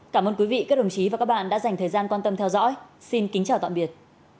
cảm ơn quý vị các đồng chí và các bạn đã dành thời gian quan tâm theo dõi xin kính chào tạm biệt